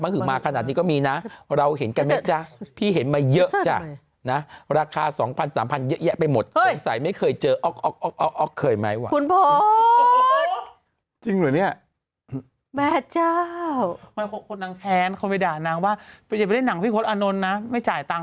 ใครที่ไม่ได้พูดมาจริง